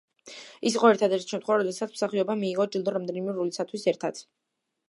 ეს იყო ერთადერთი შემთხვევა, როდესაც მსახიობმა მიიღო ჯილდო რამდენიმე როლისათვის ერთად.